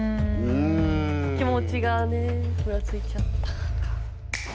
気持ちがねふらついちゃった。